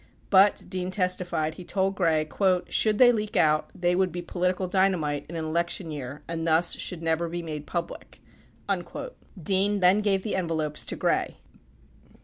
But, Dean testified, he told Gray "should they leak out, they would be political dynamite in an election year and thus should never be made public." 14 Dean then gave the envelopes to Gray.